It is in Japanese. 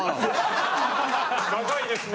長いですね。